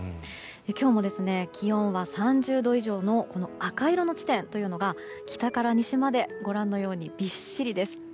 今日も気温は３０度以上の赤色の地点というのが北から西までご覧のように、びっしりです。